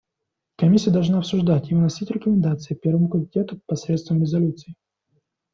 Комиссия должна обсуждать и выносить рекомендации Первому комитету посредством резолюций.